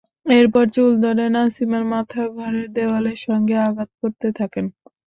এরপর চুল ধরে নাসিমার মাথা ঘরের দেয়ালের সঙ্গে আঘাত করতে থাকেন।